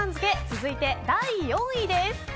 続いて、第４位です。